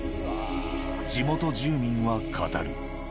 地元住民は語る。